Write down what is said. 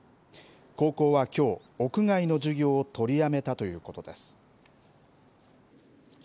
高校はきょう、屋外の授業を取りやめたということです。